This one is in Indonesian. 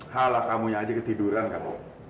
halah kamunya aja ketiduran kamu